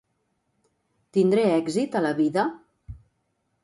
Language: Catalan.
Tindré èxit a la vida?